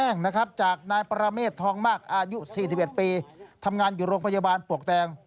นายประเมษทองมากอายุ๔๗ปีทำงานอยู่โรงพยาบาลปวกแดง